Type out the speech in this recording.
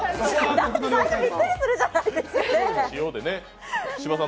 だってびっくりするじゃないですかー！